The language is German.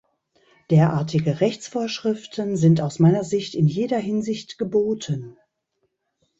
Derartige Rechtsvorschriften sind aus meiner Sicht in jeder Hinsicht geboten.